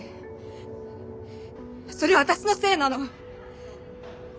それは私のせいなの！